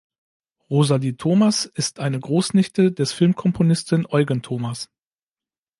Rosalie Thomass ist eine Großnichte des Filmkomponisten Eugen Thomass.